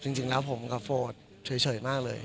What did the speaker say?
จริงแล้วผมกับโฟดเฉยมากเลย